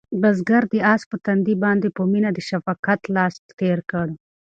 بزګر د آس په تندي باندې په مینه د شفقت لاس تېر کړ.